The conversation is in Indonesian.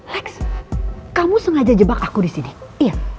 lex kamu sengaja jebak aku disini iya